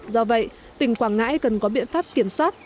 do vậy tỉnh quảng ngãi cần có biện pháp kiểm soát